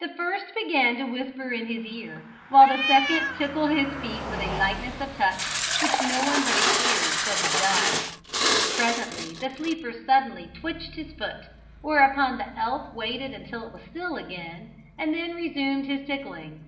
The first began to whisper in his ear, while the second tickled his feet with a lightness of touch which no one but a fairy could have done. Presently the sleeper suddenly twitched his foot, whereupon the elf waited until it was still again; and then resumed his tickling.